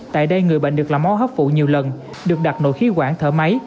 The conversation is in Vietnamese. tại đây người bệnh được làm máu hấp phụ nhiều lần được đặt nội khí quản thở máy